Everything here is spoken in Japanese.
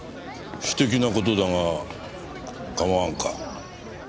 私的な事だが構わんか？